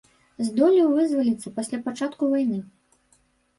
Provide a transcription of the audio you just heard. Здолеў вызваліцца пасля пачатку вайны.